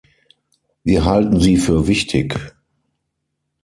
Wir halten sie für wichtig.